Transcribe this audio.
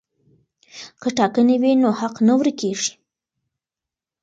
که ټاکنې وي نو حق نه ورک کیږي.